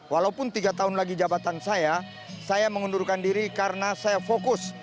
walaupun tiga tahun lagi jabatan saya saya mengundurkan diri karena saya fokus